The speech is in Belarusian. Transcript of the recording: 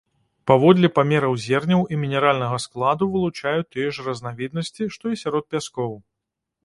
Паводле памераў зерняў і мінеральнага складу вылучаюць тыя ж разнавіднасці, што і сярод пяскоў.